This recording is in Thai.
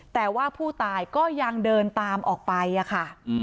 แต่ว่าผู้ตายก็ยังเดินตามออกไปค่ะ